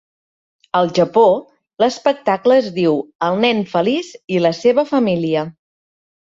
Al Japó, l'espectacle es diu "El nen feliç i la seva família".